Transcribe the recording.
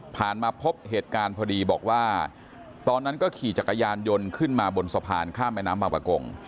มาพบเหตุการณ์พอดีบอกว่าตอนนั้นก็ขี่จักรยานยนต์ขึ้นมาบนสะพานข้ามแม่น้ำบางประกง